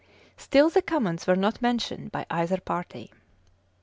[*] Still the commons were not mentioned by either party.